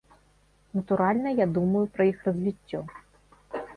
Натуральна, я думаю пра іх развіццё.